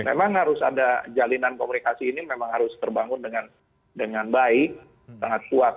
memang harus ada jalinan komunikasi ini memang harus terbangun dengan baik sangat kuat